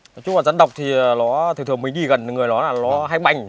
nói chung là rắn độc thì nó thường thường mình đi gần người nó là nó hay bành